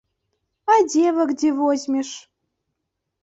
А дзевак дзе возьмеш?